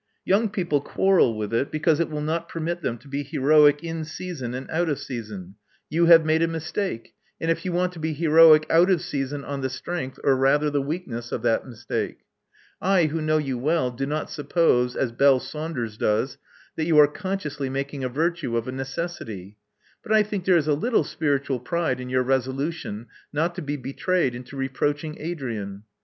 Young people quarrel with it because it will not permit them to be heroic in season and out of season. You have made a mistake; and you want to be heroic out of season on the strength, or rather the weakness of that mistake. I, who know you well, do not suppose, as Belle Saunders does, that you are consciously making a virtue of a necessity; but I think there is a little spiritual pride in your resolution not to be betrayed into reproaching Adrian.